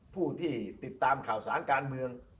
ผู้ที่ติดตามข่าวสารการเมือง